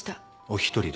お一人で？